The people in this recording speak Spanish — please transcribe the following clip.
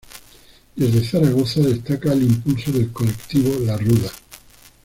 Desde Zaragoza destaca el impulso del colectivo La Ruda.